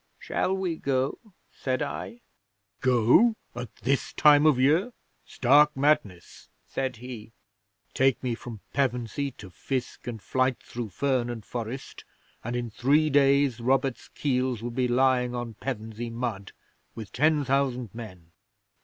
'"Shall we go?" said I. '"Go! At this time of year? Stark madness," said he. "Take me from Pevensey to fisk and flyte through fern and forest, and in three days Robert's keels would be lying on Pevensey mud with ten thousand men!